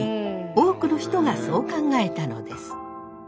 多くの人がそう考えたのです。